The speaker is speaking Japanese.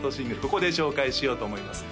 ここで紹介しようと思います